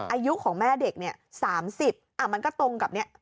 อายุของแม่เด็ก๓๐มันก็ตรงกับนี้